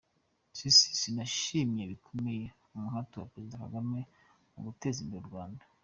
Sisi yanashimye bikomeye umuhate wa Perezida Kagame mu guteza imbere u Rwanda.